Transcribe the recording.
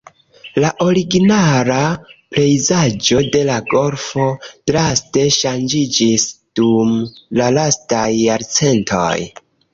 La originala pejzaĝo de la golfo draste ŝanĝiĝis dum la lastaj jarcentoj.